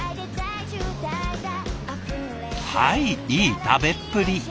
はいいい食べっぷり。